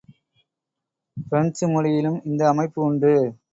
French மொழியிலும் இந்த அமைப்பு உண்டு.